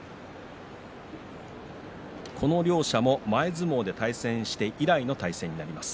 この両者も前相撲で対戦して以来の対戦になります。